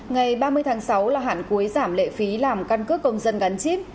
ngày ba mươi tháng sáu là hạn cuối giảm lệ phí làm căn cước công dân gắn chip